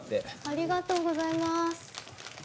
ありがとうございます。